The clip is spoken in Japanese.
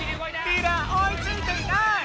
リラおいついていない！